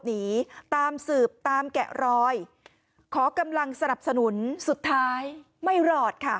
หนีตามสืบตามแกะรอยขอกำลังสนับสนุนสุดท้ายไม่รอดค่ะ